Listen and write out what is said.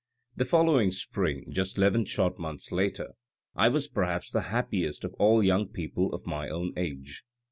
The following spring, just eleven short months later, I was perhaps the happiest of all young people of my own age."